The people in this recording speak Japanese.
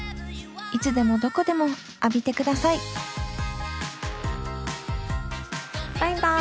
いつでもどこでも浴びてくださいバイバイ。